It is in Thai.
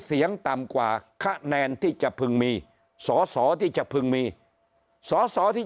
เสียงต่ำกว่าคะแนนที่จะพึงมีสอสอที่จะพึงมีสอสอที่